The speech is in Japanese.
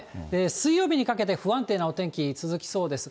水曜日にかけて不安定なお天気続きそうです。